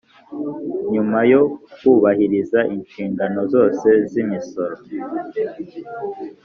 Nyuma yo kubahiriza inshingano zose z’imisoro